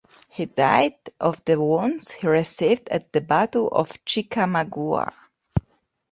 He died of the wounds he received at the Battle of Chickamauga.